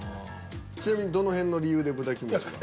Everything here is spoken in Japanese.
ちなみにどの辺の理由で豚キムチは？